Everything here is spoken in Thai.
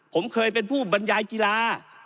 ผมเคยเป็นผู้บรรยายกีฬา